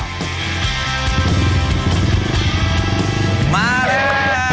เข้ามาแล้ว